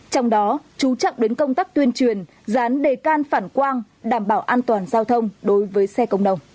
trong đó chú trọng đến công tác tuyên truyền dán đề can phản quang đảm bảo an toàn giao thông đối với xe cộng đồng